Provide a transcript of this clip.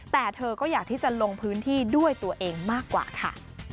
แต่เธอก็อยากที่จะลงพื้นที่ด้วยตัวเองมากกว่าค่ะ